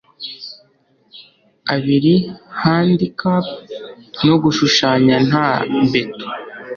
abiri Handicap no gushushanya nta beto